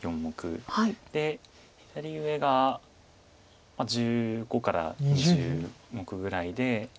で左上が１５から２０目ぐらいで。